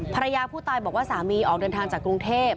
ภรรยาผู้ตายบอกว่าสามีออกเดินทางจากกรุงเทพ